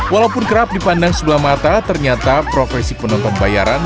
walaupun kerap dipandang sebelah mata ternyata profesi penonton bayaran